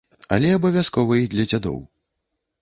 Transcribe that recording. Але абавязкова й для дзядоў.